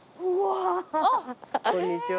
こんにちは。